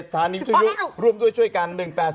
๑๖๗๗ฐานีพยุทธร่วมด้วยช่วยกัน